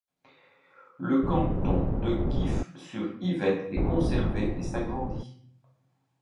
Le canton de Gif-sur-Yvette est conservé et s'agrandit.